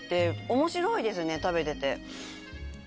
面白いですね食べてて。